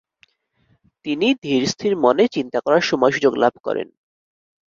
তিনি ধীরস্থির মনে চিন্তা করার সময় সুযোগ লাভ করেন।